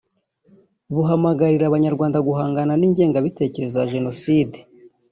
buhamagarira Abanyarwanda guhangana n’ingengabitekerezo ya Jenoside